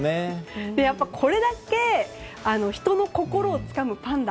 やっぱりこれだけ人の心をつかむパンダ